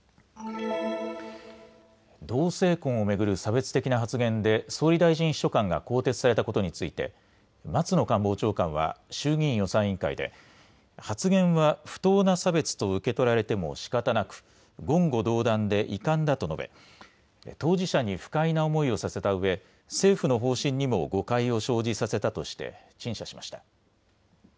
同性婚を巡る差別的な発言で総理大臣秘書官が更迭されたことについて松野官房長官は衆議院予算委員会で発言は不当な差別と受け取られてもしかたなく言語道断で遺憾だと述べ当事者に不快な思いをさせたうえ政府の方針にも誤解を生じさせたとして陳謝しました。